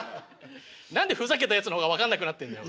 何でふざけたやつの方が分かんなくなってんだよ。